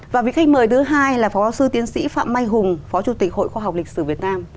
và vị khách mời thứ hai là phó giáo sư tiên sĩ phạm may hùng phó chủ tịch hội khóa học lịch sử việt nam